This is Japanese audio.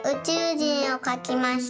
じんをかきました。